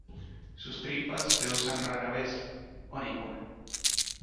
Sus tripas se usan rara vez, o ninguna.